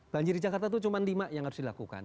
banjir di jakarta itu cuma lima yang harus dilakukan